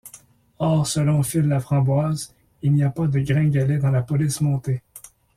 Or, selon Phil Laframboise, il n'y a pas de gringalet dans la police montée.